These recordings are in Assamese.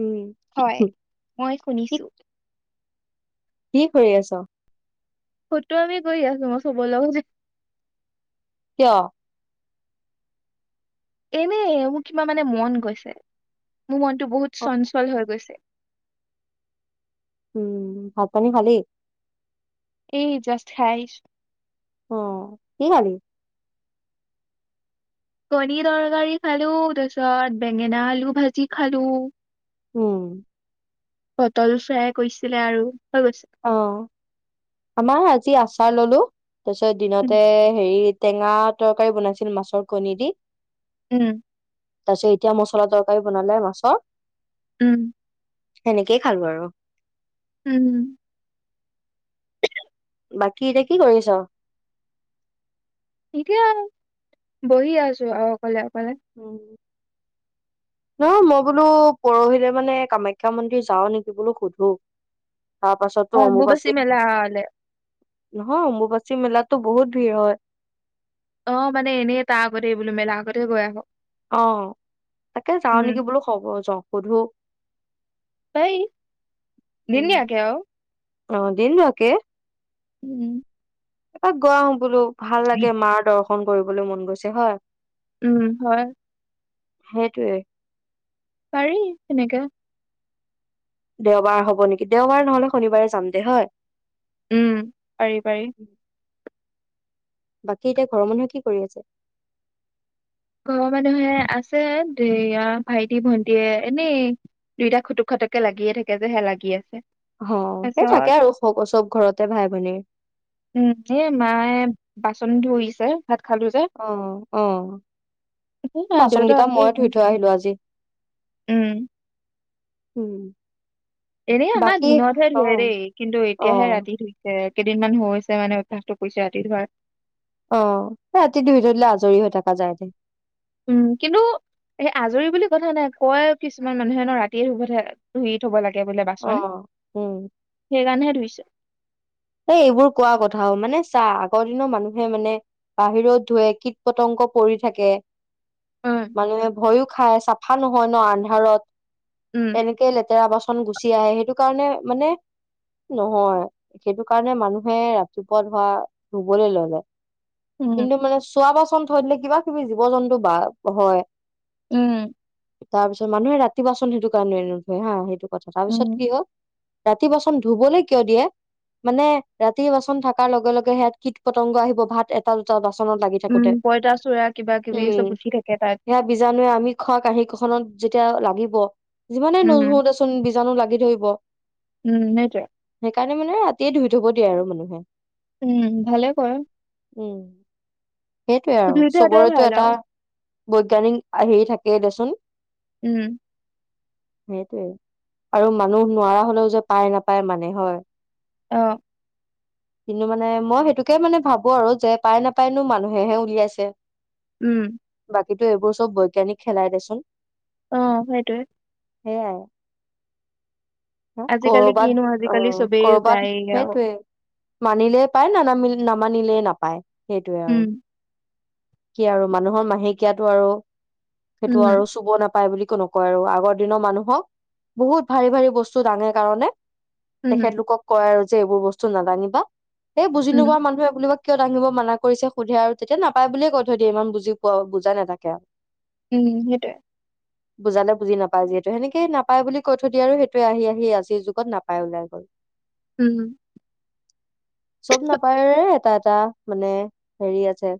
উম, হয়, মই কি শুনিছো। কি কৰি আছ? সতটো আমি গৈ আছো মই চব লগতে কিয়? এনে মোৰ কিবা মানে মন গৈছে। মোৰ মনটো বহুত অ, চঞ্চল হৈ গৈছে। উম, ভাত পানী খালেই? এই জষ্ট খাইছ। অ কি খালি? কণী তৰকাৰী খালো তাৰপিছত বেঙেনা আলু ভাজি খালো। উম। পটল ফ্ৰাই কৰিছিলে আৰু। হৈ গৈছে অ আমাৰ আজি আচাৰ ললো। তাৰপিছত উম দিনতে হেৰিত টেঙা তৰকাৰী বনাইছিল, মাছৰ কণী দি। উম। তাৰপিছত এতিয়া মছলা তৰকাৰী বনালে মাছৰ। উম সেনেকেই খাল বাৰ। উম হম। বাকী এতিয়া কি কৰিছ। এতিয়া আৰু বহি আছো আৰু অকলে। অকলে উম নহয় মই বোলো পৰহিলে মানে কামাখ্যা মন্দিৰ যাও নেকি বোলো সোধো অমবোবাছি মেল লে নহয় অম্বুবাচী মেলাতো বহুত ভিৰ হয়। অ মানে এনেই তাৰ আগতে এই বো মেলা আগতে গৈ আহক। আহ তাকে যাওঁ উম নেকি বোলো খব যাওঁ সুধো পাৰি দিন উম। দিয়াকে আৰু অ দিনকে। উম তাক গোৱা হো বোলো ভাল লাগে মাৰ দৰ্শ। ফোন কৰিবলৈ মন গৈছে হয়। উম হয় সেইটোৱে। পাৰি তেনেকাে দেওবাৰ হব নেকি দেওবাৰ নহলে শনিবাৰে যাম দে হয়। উম পাৰি পাৰি। বাকী এতিয়া ঘৰৰ মানুহে কি কৰি আছে। ঘৰৰ মানুহে আছে ভাইটি ভন্টিয়ে এনেই দুইটা খুটুক খটুককে লাগিয়ে থাকে যে হে লাগি আছে। অ সেই থাকে তাৰপিছত আৰু চব ঘৰতে ভাই ভনীৰ। উম এ মায়ে বাচন ধৰিছে। অ আহ সেয়া বাচন দেউতা কেইটা আছে মই ধুই এনেই থৈ আহিলো আজি। উম, উম এনেই আমাৰ বাকী দিনতহে ধুৱে অ', দেই কিন্তু এতিয়াহে অ', ৰাতি ধইছে কেইদিনমান হৈ হৈছে মানে অভ্যাসটো কৰিছে ৰাতি ধৰা অ ৰাতিটোৰ ভিতৰলৈ আজৰি হৈ থকা যায় দে। উম কিন্তু সেই আজৰি বুলি কথা নাই কয় কিছুমান মানুহে ন ৰাতিয়ে ধুব ধুই থব লাগে বাচন অ', উম, সেইকাৰণে হে। ধুইচো, ত এইবোৰ কোৱা কথা হ'ল মানে চা আগৰ দিনৰ মানুহে মানে বাহিৰত ধুৱে‌ কীট পতংগ পৰি থাকে উম, মানুহে ভয়ো খাই চাপ আন্ধাৰত নহয় ন উম। আন্ধাৰত তেনেকে লেতেৰা বাচন গুচি চি আহে সেইটো কাৰণে মানে নহয় সেইটো কাৰণে মানুহে ৰাতিপুৱা ধোৱা ধুবলৈ লৈ যায়। উম। কিন্তু মানে চোৱা বাচন থই দিলে কিবা কিবি জীৱ জন্তু বা হয় উম তাৰ পিছত মানুহে ৰাতি বাচন সেইটো কাৰণে নধুয়ে হা সেইটো কথা তাৰ উম পিছত কি হ ৰাতি বাচন ধুবলৈ কিয় দিয়ে? মানে ৰাতি বাচন থাককাৰ লগে লগে সেয়াত কীট পতংগ আহিব ভাত এটা দুটা লাগি উম থাকোতে পঁইতাচোৰা কিবা কিবি উম চব উঠি থাকে তাত সেয়া বিজাণুৱে আমি খোৱা কাহী কখনত, এতিয়া লাগিব। যিমানেই উম নুশো দে চোন বীজাণু লাগি ধৰিব। উম সেইটোৱেই। মে মানে ৰাতিয়ে ধুই থব দিয়ে আৰু মানুহে উম ভালে কৰে। উম। সেইটোৱে আৰু পৃথিৱীতো সেইটোৱে চবৰেতো ভাল এটা। আৰু বৈজ্ঞানিক আহি থাকে দে চোন। উম। সেইটোৱে আৰু মানুহ নোৱাৰা হলেওঁ যে পাই নাপায় মানে হয় আহঁ কিন্তু মানে মই সেইটোকে মানে ভাবো আৰু যে পাই নাপায় নো মানুহেহে উলিয়াইছে। উম। বাকী টো এইবোৰ চব বৈজ্ঞানিক খোলাই দেচোন। অঁ সেইটোৱেই। সেইয়া আজিকালি কিনো, আজিকালি চব কৰবাত সেইটোৱে মানিলে পাই নামানিলে নামানিলেই নাপায়। সেইটোৱে আৰু। উম কি আৰু মানুহৰ মাহেকীয়াটো আৰু, সেইটো উম আৰু চুব নাপায় বুলি একো নকয় আৰু, আগৰ দিনৰ মানুহক, বহুত ভাৰী ভাৰী বস্তু দাঙে কাৰণে উম। কক কয় আৰু যে এইবোৰ বস্তু নাদাঙিবা। সেই বুজি উম নোপোৱা মানুহে এই বুলি কৈ কিয় দাঙিব মানা কৰিছে সোধে আৰু, তেতিয়া নাপায় বুলিয়ে কৈ থৈ দিয়ে ইমান বুজি পোৱা, বুজাই নাথাকে আৰু। উম সেইটোৱে। বুজালে বুজি নাপায় যিহেতু সেনেকেইে নাপায় বুলি কৈ থৈ দিয়ে আৰু সেইটোৱে আহি আহি আজিৰ যুগত নাপাই ওলাই গ'ল। উম্ হুম। চব নাপায়ৰে এটা - এটা, মানে হেৰি আছে।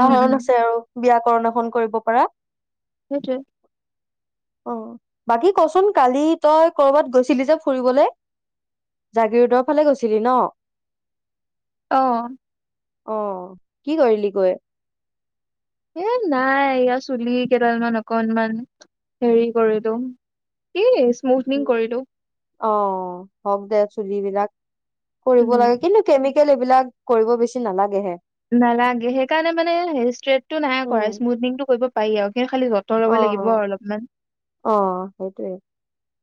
উম উম আছে আৰু। ব্যকৰণ এখন কৰিব পাৰা। সেইটোৱেই। অ'। বাকী ক'চোন কালি তই ক'ৰবাত গৈছিলি যে ফুৰিবলৈ। জাগিৰোদৰ ফালে গৈছিলি ন'? অ'। অ' কি কৰিলি গৈ? এ নাই। এয়া চুলি কেইডালমান অকনমান হেৰি কৰিলোঁ। কি স্ স্মুথনিং কৰিলোঁ। অ' হওঁক দে চুলিবিলাক কৰিব উম লাগে কিন্তু কেমি কেল এইবিলাক কৰিব বেছি নালাগে হে। নালাগে, সেইকাৰণে মানে ষ্ট্ৰেটটো নাই উম কৰা, স্মুডনিংটো কৰিব পাৰি আৰু। কিন্তু খালি যতন ল'ব অ' - লাগিব অ', আৰু অলপমান অ' সেইটোৱে।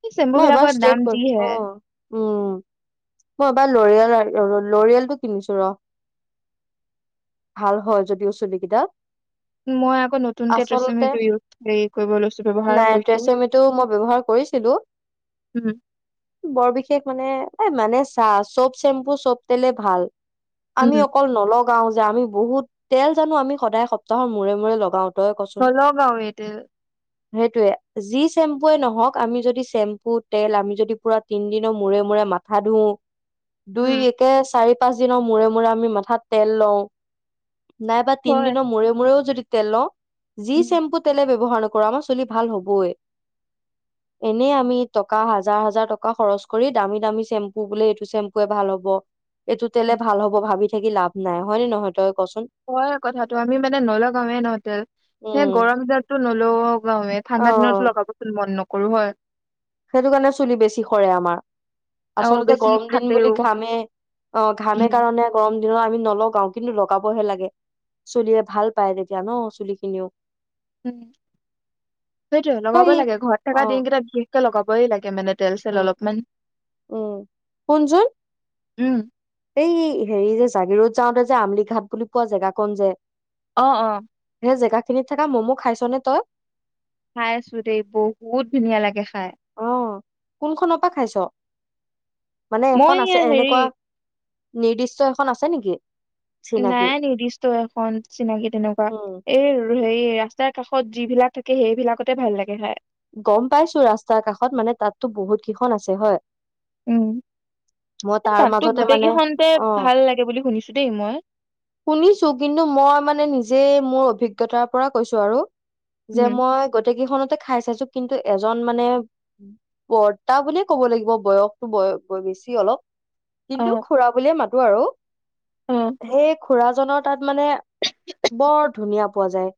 এই চেম্পু মই এবাৰ বিলাকৰ ষ্টেইট দাম কৰিম- যিহে অ', উম। মই এইবাৰ ল'ৰিয়াল আৰু ৰ ল'ৰিয়েলটো কিনিছোঁ ৰ'। ভাল হয় যদিও চুলি কেইটা। মই আকৌ নতুনকে ট্ৰেছমেটো ইউ নাই, ট্ৰেছমেটো মই ব্যৱহাৰ কৰিছিলোঁ। উম বৰ বিশেষ মানে এই মানে চাঁ, চব শ্বেম্পু চব তেলে ভাল। আমি উম অকল নল লগাও যে আমি বহুত। তেল জানো আমি সদায় সপ্তাহৰ মূৰে-মূৰে লগাও নলগাৱে তেল। সেইটোৱে। যি শ্বেম্পুৱে নহওঁক, আমি যদি শ্বেম্পু, তেল আমি যদি পুৰা তিনদিনৰ মূৰে - মূৰে মাথা ধুওঁ উম দুই-একে চাৰি পাঁচ দিনৰ মূৰে - মূৰে আমি মাথাত তেল লওঁ নাইবা হয় তিনদিনৰ মূৰে - মূৰেও যদি তেল লওঁ যি উম শ্বেম্পুত ব্যৱহাৰ নকৰোঁ, আমাৰ চুলি ভাল হবয়ে। এনেই আমি টকা হাজাৰ - হাজাৰ টকা খৰচ কৰি, দামী - দামী শ্বেম্পু বোলে এইটো শ্বেম্পুৱে ভাল হ'ব এইটো তেলে উম ভাল হ'ব, ভাবি থাকি লাভ নাই, হয় নে নহয়? তই কচোন হয় কথাটো। আমি মানে নলগাৱে ন' তেল। এ উম গৰম তো নলগাঁৱে। ঠাণ্ডা দিনতো অ লগাব মন নক কৰোঁ হয়। সেইটো কাৰণে চুলি বেছি সৰে আমাৰ, আৰু আচলতে বেছি গৰম দিন ফাটেও বুলি ঘামে, অ ঘামে উম কাৰণে গৰম দিনত আমি নলগাও কিন্তু লগাবহে লাগে, চুলিয়ে ভাল পায় তেতিয়া ন চুলি খিনিও উম সেইটোয়ে লগাবই সেই লাগে, ঘৰত থকা অ দিন কেইটাত বিশেষকে লগাবই লাগে মানে তেল চেল উম অলপমান উম কোনজন? উম। এই হেৰি যে, জাগিৰোড যাওঁতে যে আমলি ঘাট বুলি পোৱা জেগা কন যে অ অ। সেই জেগা খিনিত থকা ম'ম' খাইছ নে তই? খাই আছো দেই বহুত ধুনীয়া লাগে খাই। আহ কোনখনৰ পৰা খাইছ? মানে মই এখন এয়া আছে হেৰি এনেকুৱা নিৰ্দিষ্ট এখন আছে নেকি? চিনাকি নাই নিৰ্দিষ্ট এখন চিনাকি, তেনেকুৱা উম এই হেৰি তাৰ কাষত যিবিলাক থাকে সেইবিলাকতে ভাল লাগে খাই। গম পাইছো ৰাস্তাৰ কাষত মানে তাতো বহুত কেইখন আছে হয়। উম। মই এই তাৰ তাতো মাজতে গোটেই মানে, কেইখনতে অ, ভাল লাগে বুলি শুনিছো দেই মই শুনিছোঁ কিন্তু মই মানে নিজে মোৰ অভিজ্ঞতাৰ পৰা কৈছো আৰু যে উম। মই গোটেই কেইখনত তই খাইছ খাইছ কিন্তু এজন মানে বৰ্তা বুলিয়ে ক'ব লাগিব, বয়সতটো, বয়স বেছি অলপ কিন্তু অ', খুৰা বুলিয়ে মাতো। টো, আৰু অ', সেই খুৰাজনৰ তাত মানে বৰ ধুনীয়া পোৱা যায়।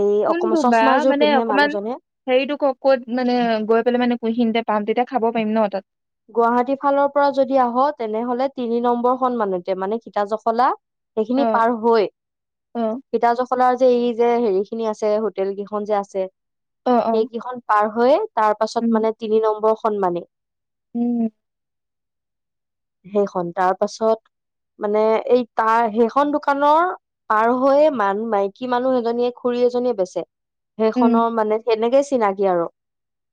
এই অকমান চচমাযোৰ পিন্ধে মানুহজনে। হেৰিটোক ক'ত মানে গৈ পেলাই মানে কুহিতে পাম তেতিয়া খাব পাৰিম ন তাত। গুৱাহাটী ফালৰ পৰা যদি আহ তেনেহলে তিনি নম্বৰ সন মমানতে মানে সীতা জখলা সেইখিনি অ'। পাৰ হৈ অ', সিতা যখলাৰ যে এই যে হেৰি বহুত খিনি আছে হোটেল কেইখন যে আছে অ', অ', সেইকেইখন পাৰ হয়। তাৰ উম, পাছত মানে তিনি নম্বৰ সন্মানে। উম! সেইখন, তাৰ পাছত, মানে, এই তাৰ, সেইখন দোকানৰ পাৰ হয়, মানে, মাইকী মানুহ এজনীয়ে, খুৰী এজনীয়ে বেচে। উম, সেইখনৰ মানে, সেনেকে চিনাকি আৰু।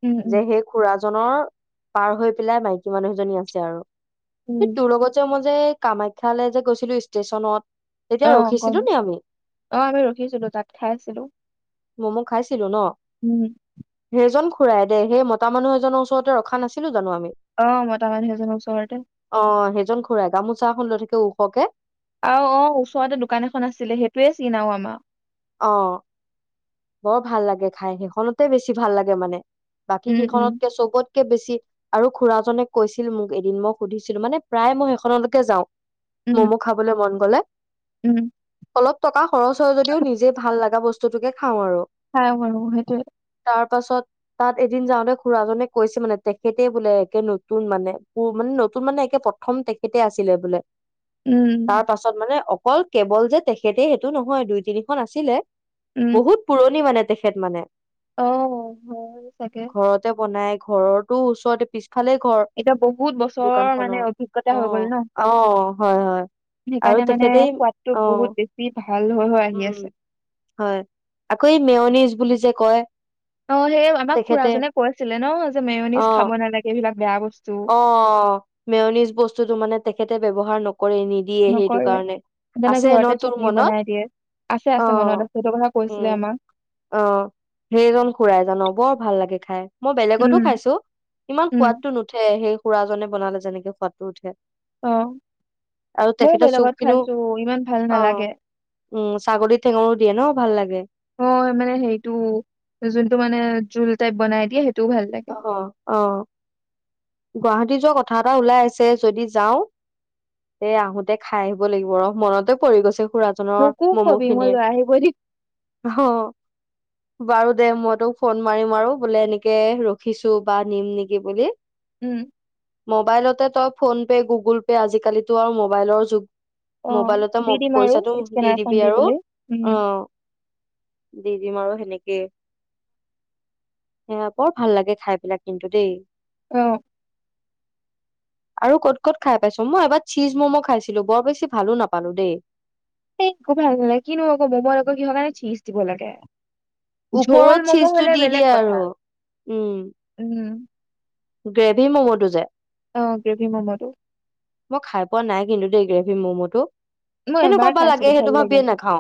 উম, যে উম, সেই খুৰাজন জনৰ, পাৰ হৈ পিলাই মাইকী মানুহ এজনী আছে আৰু। সেই, উম। তোৰ লগত যে মই যে কামাখ্যালেযে গৈছিলোঁ, ষ্টেচনত। তেতিয়া অ'হ ৰখিছিলো গম, নি আমি অ' আমি ৰখিছিলোঁ তাত, খাইছিলোঁ। ম'ম খাইছিলোঁ। দেখিছিলোঁ ন, সেইজন। ফুৰাই দেই, সেই মতা মানুহ এজনৰ ওচৰতে ৰখা নাছিলোঁ জানোঁ আমি। অ মতা মানুহ এজনৰ ওচৰতে অ' সেইজন খুড়াই, গামোচা এখন লৈ থাকে। ওখকে। অ'হ! অ'হ! ওচৰতে দোকান এখন আছিলে। সেইটোৱয়ে চিন আও আমাৰ। অ' বৰ ভাল লাগে খাই! সেইখনতে বেছি ভাল লাগে মানে। বাকী উম উম কেইখনতকে চবত কে বেছি, আৰু খুড়ৰাজনে কৈছিল মোক এদিন। মই সুধিছিলোঁ, মানে প্ৰায় মই সেইখনলৈকে যাওঁ। উম ম'ম' খাবলৈ মন ক'লে উম! অলপ টকা যে ভাল লগা বস্তুতোকে খাওঁ আৰু। খাম আৰু, সেইটোৱেই। তাৰ পাছত, তাত এদিন যাওঁতে খুড়াজনে কৈছিল মানে, তেখেতেই বোলে একে নতুন মানে, পু মানে, নতুন মানে, একে প্ৰথম তেখেতে আছিলে বোলে। তাৰ উম পাছত মানে অকল কেৱল যে তেখেতেই সেইটো নহয়, দুই তিনি খন আছিলে। উম বহুত পুৰণি মানে। তেখেত মানে। অ' হয়, চাগে। ঘৰৰতোঁ ওচৰতে, পিছ এতিয়া বহুত বছৰৰ মানে অভিজ্ঞতা অ হৈ গ'ল ন। অ হয় হয় আৰু সেইকাৰণে মানে তেখেতেই সোৱাদটো অ বহুত বেছি ভাল হৈ হৈ আহি উম আছে হয়, আকৌ এই মেয়নিজ বুলি যে কয়। অ' সেই আমাক খুৰা তেখেতে জনে কৈছিলে ন' যে মেয়নিজ অ খাব নালাগে এইবিলাক বেয়া বস্তু। অ কৰে নিদিয়ে সেইটো নকৰে কাৰণে সেইকাৰণে আছে ন' ঘৰতে তোৰ চাটনি মনত? বনাই দিয়ে আছে আছে মনত অ' আছে সেইটো কথা কৈছিলে উম, আমাক অ'। সেইজন খুৰাই জান বৰ ভাল লাগে খাই। মই বেলেগতো উম খাইছো, ইমান উম সোৱাদটো নুঠে। এ সেই খুৰাজনে বনালে যেনেকে সোৱাদটো উঠে অ', আৰু মইও তেখেতৰ চুপ বেলেগত খিনিও খাইছো ইমান ভাল অ নালাগে। উম, ছাগলী ঠেঙৰো দিয়ে ন ভাল লাগে। এ জুল টাইপ বনাই দিয়ে সেই অঁ অঁ, অঁ। গুৱাহাটী যোৱা কথা এটা ওলাই আছে যদি যাওঁ এ আহোতে খাই আহিব লাগিব ৰ মনতে পৰি গৈছে। খুৰাজনৰ মোকো মম' কবি মই খিনিৰ, লৈ আহিব দিম অ'। বাৰু দে মই তোক ফোন মাৰিম আৰু বোলে এনেকে ৰ খিচো বা নিম নেকি বুলি উম মোবাইলতে তই ফোন পে', গুগল পে' আজিকালিতো আৰু মোবাইলৰ যুগ। অ মোবাইলতে দি মব দিম আৰু পইচাটো দি স্কেনাৰখন দিবি আৰু পেলাই উম অ' দি দিম আৰু সেনে [unintelligible] ভাল লাগে খাই পেলাই কিন্তু দেই। অ'। আৰু ক'ত ক'ত খাই পাইছ? মই এবাৰ চীজ মম' খাইছিলো বৰ বেছি ভালো নাপালো দেই। এই একো ভাল নালাগে কিনো আকৌ মম'ত আকৌ কিহৰ কাৰণে চিজ দিব লাগে। ঝোল ওপৰত ম'ম' চিজটো হলে দি বেলেগ দিয়ে কথা আৰু, উম। উম গ্ৰেভি ম'ম'টো যে। অ গ্ৰেভি ম'ম'টো মই খাই পোৱা নাই কিন্তু দেই গ্ৰে [unintelligible] মম'টো। মই কেনেকুৱা এবাৰ বা লাগে খাইছিলো সেইটো ভাল ভাবিয়ে লাগিল, নাখাও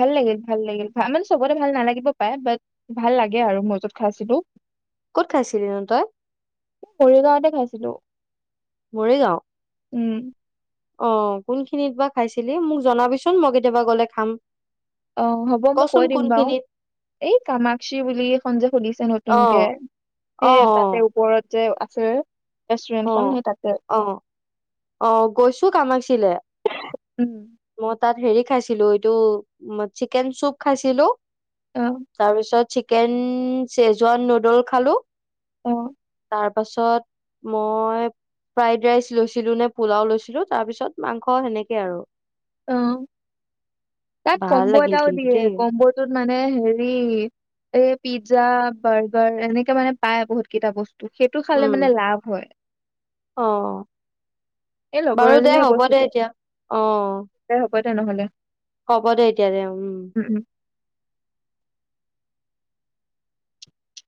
ভাল লাগিল ভাল লাগিল ভা মানে চবৰে ভাল নালাগিব পাৰে বাত ভাল লাগে আৰু মই যত খাইছিলোঁ। কত খাইছিলি নু তই? মৰিগাঁৱতে খাইছিলো মৰিগাঁও? উম। অঁ কোনখিনিত বা খাইছিলি মোক জনাবিচোন মই কেতিয়াবা গলে খাম। অঁ হ'ব মই কচোন কৈ দিম বাৰু, কোনখিনিত ‌ এই কামাক্চি বুলি এখন যে খুলিছে অ নতুনকে সেই তাতে ওপৰত। যে আছে। ৰেষ্টুৰেন্টখন অঁ, সেই তাতে অঁ, অঁ, গৈছো কামাক্চিলে। ‌ উম মই তাত হেৰি খাইছিলো এইটো উম- চিকেন চুপ খাইছিলো। অ তাৰপিছত চিক চিকেন, চেজুৱান নুডল খালো। অ। তাৰ পাছত মই, ফ্ৰাইড ৰাইচ লৈছিলো নে পোলাও লৈছিলো তাৰ পিছত মাংস সেনেকৈ আৰু। অ, তাত ভাল কম্বু লাগিল এটাও কিন্তু দিয়ে দেই কম্বুটোত মানে হেৰি এই পিজ্জা, বাৰ্গাৰ এনেকাে মানে পায় বহুত কেইটা বস্তু সেইটো খালে উম মানে লাভ হয় অ এই লগৰ বাৰু দে এজনীয়ে হ'ব দে কৈছিলে এতিয়া অ। হ'ব তেনেহলে হ'ব দে, এতিয়া দে উম।